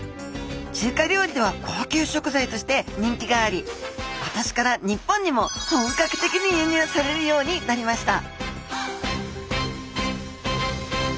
中華料理では高級食材として人気があり今年から日本にも本格的に輸入されるようになりました・